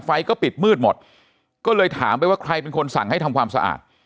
ไฟก็ปิดมืดหมดก็เลยถามไปว่าใครเป็นคนสั่งให้ทำความสะอาด